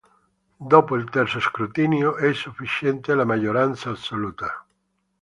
Dopo il terzo scrutinio è sufficiente la maggioranza assoluta".